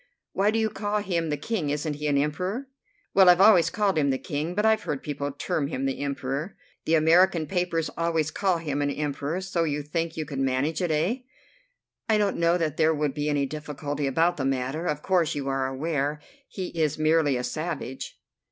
"Why do you call him the King? Isn't he an Emperor?" "Well, I've always called him the King, but I've heard people term him the Emperor." "The American papers always call him an Emperor. So you think you could manage it, eh?" "I don't know that there would be any difficulty about the matter. Of course you are aware he is merely a savage."